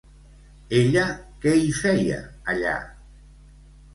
Ella què hi feia allà?